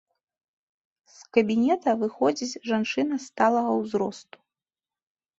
З кабінета выходзіць жанчына сталага ўзросту.